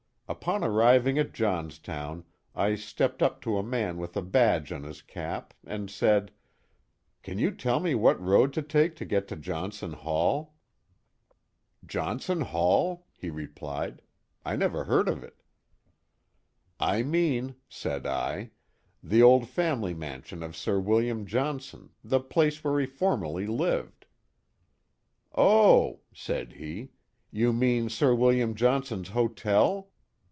Upon arriving at Johnstown I stepped up to a man with a badge on his cap and said: Can you tell me what road to take to get to Johnson Hall ?'Johnson Hall ?*' he re plied, " I never heard of it.*' " I mean,'' said I, " the old family mansion of Sir William Johnson, the place where he formerly lived." "Oh," said he, "you mean Sir William John i98 The Mohawk Valley son's Hotel